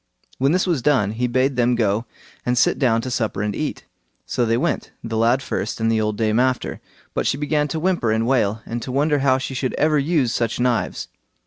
When this was done, he bade them go and sit down to supper and eat. So they went, the lad first and the old dame after, but she began to whimper and wail, and to wonder how she should ever use such knives.